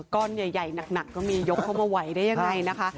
ก้อนใหญ่หนักก็มียกเข้ามาไหวได้ยังไงนะคะ